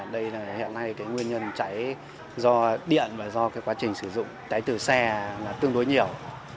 đây là hiện nay nguyên nhân cháy do điện và do quá trình sử dụng cháy từ xe tương đối nhiều